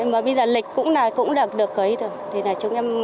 bây giờ lịch cũng được cấy được